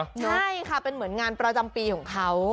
ใช่ค่ะเป็นเหมือนงานประจำปีของเขา